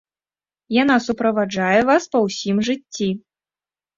Яна суправаджае вас па ўсім жыцці.